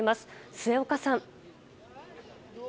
末岡さん。